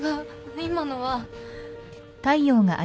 今のは。